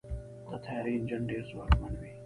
د طیارې انجن ډېر ځواکمن وي.